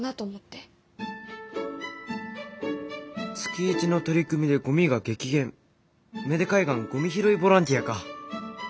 「月１の取り組みでゴミが激減芽出海岸ゴミ拾いボランティア」か。